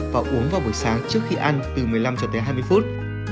và uống vào buổi sáng trước khi ăn từ một mươi năm hai mươi phút